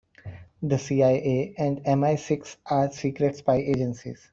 The CIA and MI-Six are secret spy agencies.